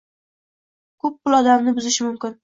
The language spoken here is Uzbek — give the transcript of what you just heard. Ko'p pul odamni buzishi mumkin